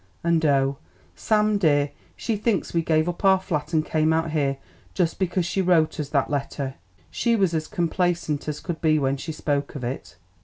And O, Sam dear, she thinks we gave up our flat and came out here just because she wrote us that letter; she was as complacent as could be when she spoke of it."